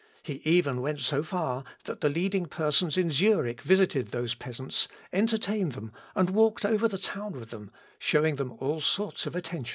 He even went so far that the leading persons in Zurich visited those peasants, entertained them, and walked over the town with them, showing them all sorts of attention."